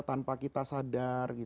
tanpa kita sadar